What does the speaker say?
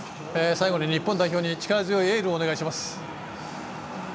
最後に日本代表に力強いエールをお願いします。